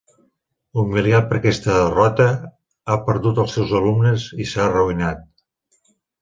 Humiliat per aquesta derrota, ha perdut els seus alumnes i s'ha arruïnat.